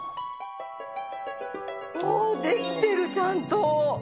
おおできてるちゃんと！